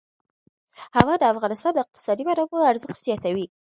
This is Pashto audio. هوا د افغانستان د اقتصادي منابعو ارزښت زیاتوي.